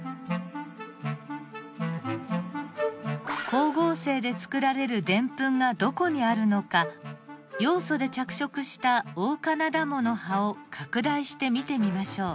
光合成でつくられるデンプンがどこにあるのかヨウ素で着色したオオカナダモの葉を拡大して見てみましょう。